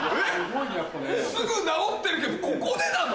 すぐ直ってるけどここでなの？